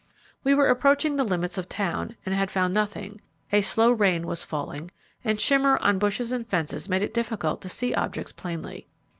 We were approaching the limits of town, and had found nothing; a slow rain was falling, and the shimmer on bushes and fences made it difficult to see objects plainly.